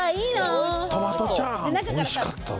トマトチャーハン、美味しかったわ。